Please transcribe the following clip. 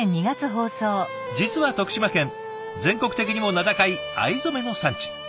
実は徳島県全国的にも名高い藍染めの産地。